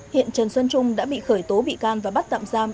hiện trần xuân trung đã bị khởi tố bị can và bắt tạm giam